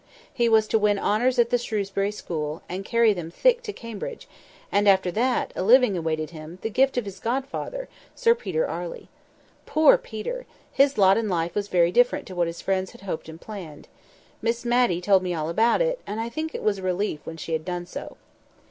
He was to win honours at the Shrewsbury School, and carry them thick to Cambridge, and after that, a living awaited him, the gift of his godfather, Sir Peter Arley. Poor Peter! his lot in life was very different to what his friends had hoped and planned. Miss Matty told me all about it, and I think it was a relief when she had done so.